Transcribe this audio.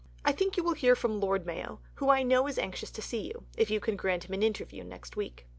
I think you will hear from Lord Mayo, who I know is anxious to see you, if you can grant him an interview next week.